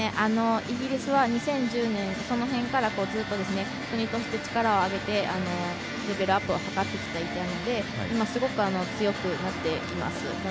イギリスは２０１０年、その辺からずっと国として力を上げてレベルアップを図ってきていたのですごく強くなっています。